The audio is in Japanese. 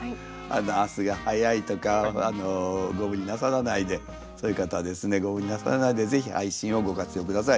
明日が早いとかご無理なさらないでそういう方はですねご無理なさらないで是非配信をご活用下さい。